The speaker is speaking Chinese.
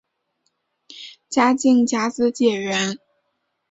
嘉靖甲子解元。